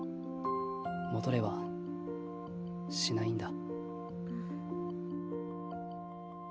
戻れはしないんだ。